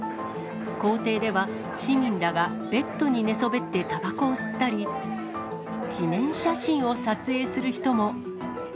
公邸では、市民らがベッドに寝そべってたばこを吸ったり、記念写真を撮影する人も。